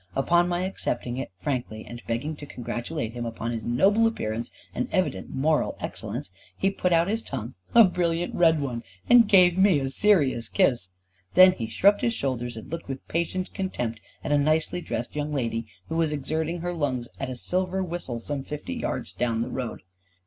Upon my accepting it frankly and begging to congratulate him upon his noble appearance and evident moral excellence, he put out his tongue, a brilliant red one, and gave me a serious kiss. Then he shrugged his shoulders and looked with patient contempt at a nicely dressed young lady, who was exerting her lungs at a silver whistle some fifty yards down the road.